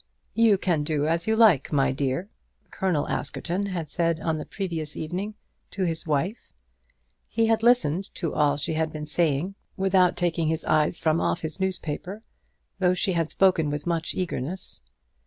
"You can do as you like, my dear," Colonel Askerton had said on the previous evening to his wife. He had listened to all she had been saying without taking his eyes from off his newspaper, though she had spoken with much eagerness.